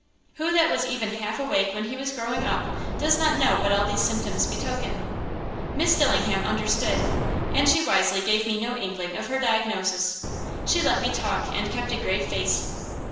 Who that was even half awake when he was growing up does not know what all these symptoms betokened? Miss Dillingham understood, and she wisely gave me no inkling of her diagnosis. She let me talk and kept a grave face.